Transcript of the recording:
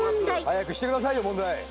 早くしてくださいよ問題。